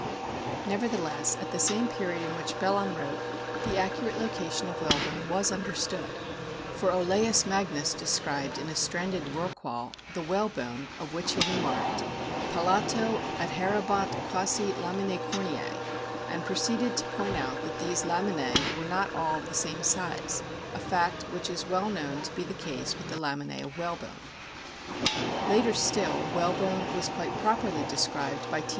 Nevertheless, at the same period at which Belon wrote the accurate location of whalebone was under stood. For Olaus Magnus described in a stranded Rorqual (?) the whalebone, of which he remarked :' Palato adhaerebant quasi laminae corneae," and proceeded to point out that these laminae were not all of the same size, a fact which is well known to be the case with the laminae of whalebone. 82 A BOOK OF WHALES Later still whalebone was quite properly described by T.